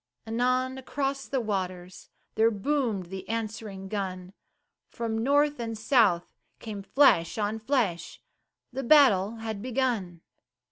Anon across the waters There boomed the answering gun, From North and South came flash on flash The battle had begun.